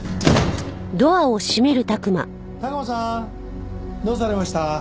宅間さんどうされました？